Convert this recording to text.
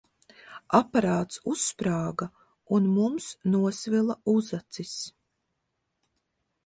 Aparāts uzsprāga, un mums nosvila uzacis.